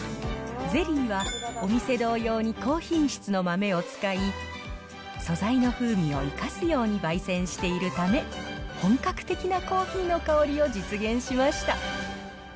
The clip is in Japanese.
ゼリーはお店同様に高品質の豆を使い、素材の風味を生かすようにばい煎しているため、本格的なコーヒーの香りを実現しました。